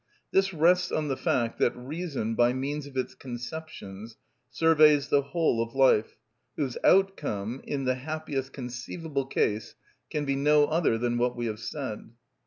This rests on the fact that reason, by means of its conceptions, surveys the whole of life, whose outcome, in the happiest conceivable case, can be no other than what we have said.